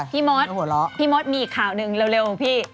พี่มดพี่มดมีอีกข่าวหนึ่งเร็วพี่